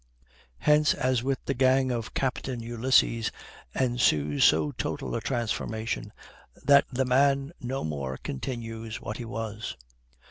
Hence, as with the gang of Captain Ulysses, ensues so total a transformation, that the man no more continues what he was.